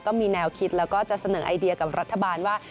ก็มีแนวคิดแล้วก็จะเสนอไอเดียกับรัฐบาลว่า